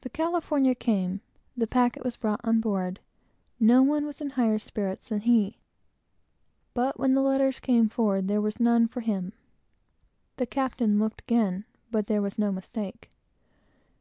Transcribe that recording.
The California came, the packet was brought on board; no one was in higher spirits than he; but when the letters came forward, there was none for him. The captain looked again, but there was no mistake.